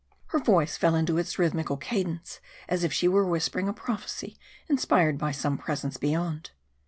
Her voice fell into its rhythmical cadence, as if she were whispering a prophecy inspired by some presence beyond.